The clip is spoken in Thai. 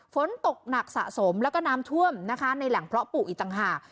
ฝนตกหนักสะสมแล้วก็น้ำท่วมนะคะในแหล่งเพาะปลูกอีกต่างหาก